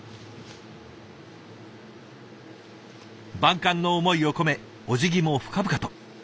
万感の思いを込めおじぎも深々と。